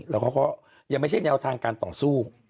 แล้วเขาก็ยังไม่ใช่แนวทางการต่อสู้